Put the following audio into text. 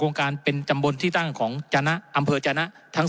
การเป็นตำบลที่ตั้งของจนะอำเภอจนะทั้ง